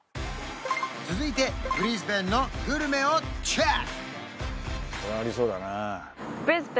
続いてブリスベンのグルメをチェック！